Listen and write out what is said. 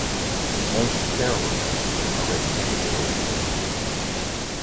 Most carrel desks are rectangular in shape.